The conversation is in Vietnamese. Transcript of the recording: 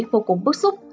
vô cùng bức xúc